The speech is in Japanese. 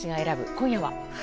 今夜は。